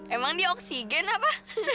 emang dia oksigen apa